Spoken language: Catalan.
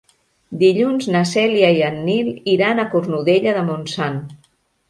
Dilluns na Cèlia i en Nil iran a Cornudella de Montsant.